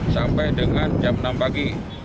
sampai dengan jam enam pagi